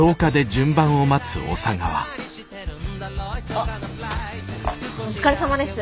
あっお疲れさまです。